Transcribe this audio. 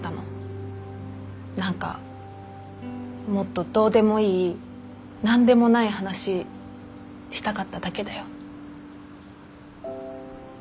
何かもっとどうでもいい何でもない話したかっただけだよ。